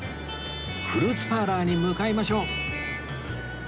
フルーツパーラーに向かいましょう